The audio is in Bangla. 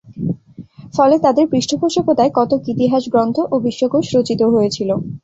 ফলে তাঁদের পৃষ্ঠপোষকতায় কতক ইতিহাস গ্রন্থ ও বিশ্বকোষ রচিত হয়েছিল।